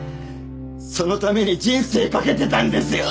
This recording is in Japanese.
そのために人生かけてたんですよ！